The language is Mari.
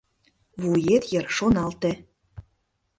— Вует йыр шоналте.